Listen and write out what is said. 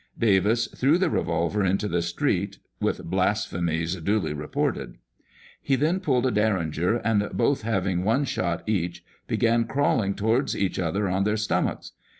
Davis threw the re volver into the street (with blasphemies duly reported). He then pulled a Derringer, and both having one shot each, began crawling towards each other on their stomachs.